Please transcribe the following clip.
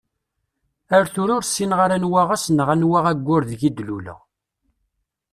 Ar tura ur ssineɣ ara anwa ass neɣ anwa ayyur ideg d-luleɣ.